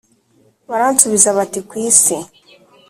Baransubiza bati ku isi